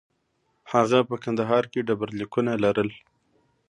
هغه په کندهار کې ډبرلیکونه لرل